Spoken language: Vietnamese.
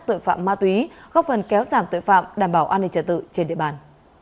tội phạm ma túy góp phần kéo giảm tội phạm đảm bảo an ninh trả tự trên địa bàn